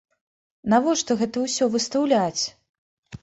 Навошта гэта ўсё выстаўляць?